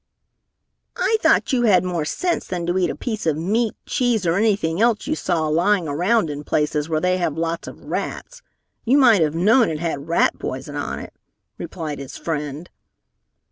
"I thought you had more sense than to eat a piece of meat, cheese or anything else you saw lying around in places where they have lots of rats. You might have known it had rat poison on it!" replied his friend.